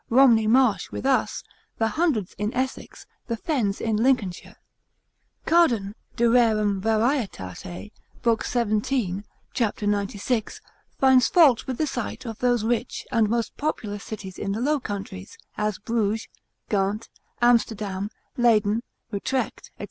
Romney Marsh with us; the Hundreds in Essex, the fens in Lincolnshire. Cardan, de rerum varietate, l. 17, c. 96, finds fault with the sight of those rich, and most populous cities in the Low Countries, as Bruges, Ghent, Amsterdam, Leiden, Utrecht, &c.